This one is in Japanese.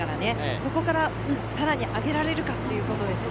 ここからさらに上げられるかということですね。